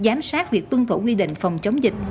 giám sát việc tuân thủ quy định phòng chống dịch